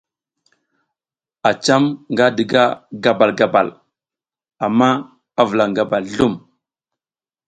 A cam nga diga gabal gabal amma a vulaƞ gabal zlum.